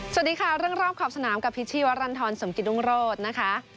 สวัสดีค่ะเรื่องรอบขอบสนามกับพิษชีวรรณฑรสมกิตรุงโรธนะคะ